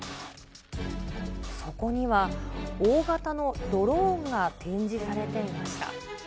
そこには、大型のドローンが展示されていました。